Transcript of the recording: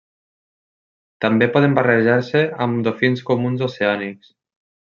També poden barrejar-se amb dofins comuns oceànics.